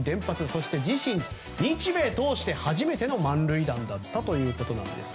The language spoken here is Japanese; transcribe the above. そして日米通して初めての満塁弾だったということです。